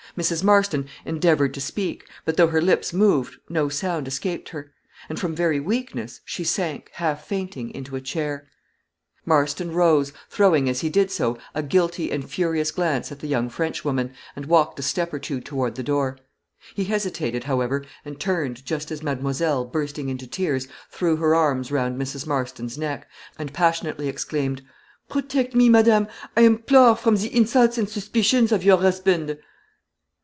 Mrs. Marston endeavored to speak; but, though her lips moved, no sound escaped her; and, from very weakness, she sank, half fainting, into a chair. Marston rose, throwing, as he did so, a guilty and furious glance at the young Frenchwoman, and walked a step or two toward the door; he hesitated, however, and turned, just as mademoiselle, bursting into tears, threw her arms round Mrs. Marston's neck, and passionately exclaimed, "Protect me, madame, I implore, from the insults and suspicions of your husband."